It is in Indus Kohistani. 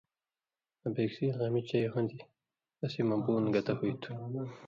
آں بِکسیں غمی چئ ہُون٘دیۡ اسی مہ بُون گتہ ہُوئ تُھو